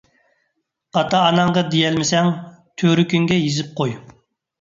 ئاتا ـ ئاناڭغا دېيەلمىسەڭ تۈۋرۈكۈڭگە يېزىپ قوي.